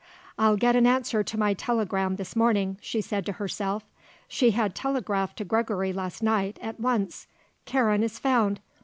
"I'll get an answer to my telegram this morning," she said to herself. She had telegraphed to Gregory last night, at once: "Karen is found.